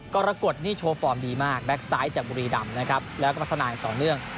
ก็รากฏนี่โชว์ฟอร์มดีมากแบ็กซ้ายจากบุรีดำแล้วก็พัฒนาต่อเนื่อง